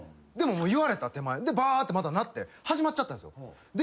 でも言われた手前でバーってまた鳴って始まっちゃったんですよ。